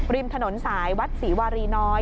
ริมถนนสายวัดศรีวารีน้อย